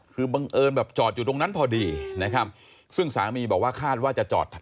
คือบังเอิญแบบจอดอยู่ตรงนั้นพอดีนะครับซึ่งสามีบอกว่าคาดว่าจะจอด